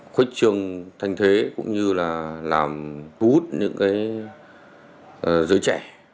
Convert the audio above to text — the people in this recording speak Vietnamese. khuếch trường thanh thế cũng như là làm hút những cái giới trẻ